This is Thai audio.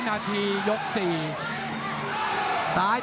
อัส